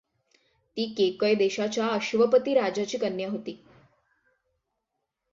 ती केकय देशाच्या अश्वपति राजाची कन्या होती.